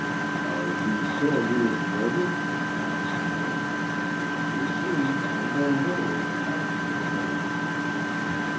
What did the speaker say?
"Are you sure he was murdered?" asked Moore. "You see, I know little of the facts in the case."